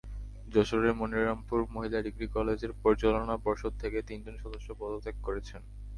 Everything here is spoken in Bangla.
যশোরের মনিরামপুর মহিলা ডিগ্রি কলেজের পরিচালনা পর্ষদ থেকে তিনজন সদস্য পদত্যাগ করেছেন।